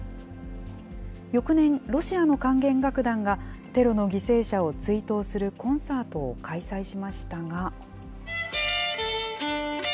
翌年、ロシアの管弦楽団がテロの犠牲者を追悼するコンサートを開催しましたが。